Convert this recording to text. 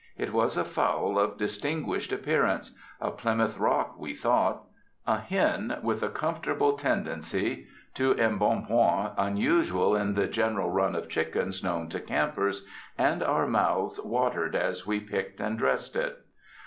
It was a fowl of distin guished appearance — a Plymouth Rock, we thought :— a hen, with a comfortable tendency to embon 296 CAMP COOKERY point unusual in the general run of chickens known to campers; and our mouths watered as we picked and dressed it.